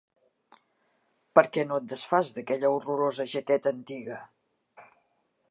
Per què no et desfàs d'aquella horrorosa jaqueta antiga?